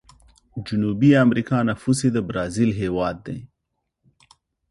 جنوبي امريکا نفوس یې د برازیل هیواد دی.